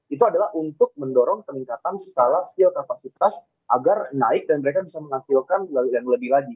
itu adalah untuk mendorong peningkatan skala skill kapasitas agar naik dan mereka bisa menampilkan lebih lagi